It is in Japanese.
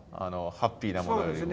ハッピーなものよりも。